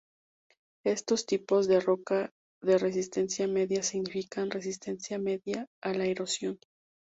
Estos tipos de roca de resistencia media significan resistencia media a la erosión.